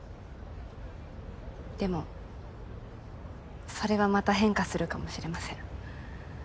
でもそれがまた変化するかもしれません。